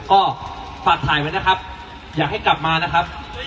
ก็ฝากถ่ายไว้นะครับอยากให้กลับมานะครับ